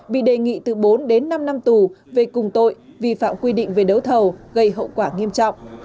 bị đề nghị từ bốn đến năm năm tù về cùng tội vi phạm quy định về đấu thầu gây hậu quả nghiêm trọng